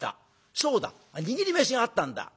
「そうだ握り飯があったんだ！」。